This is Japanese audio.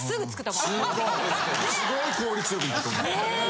すごい効率よくなると思う。ね！